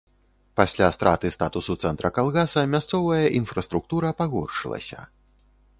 Пасля страты статусу цэнтра калгаса мясцовая інфраструктура пагоршылася.